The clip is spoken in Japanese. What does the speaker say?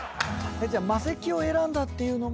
マセキを選んだっていうのも。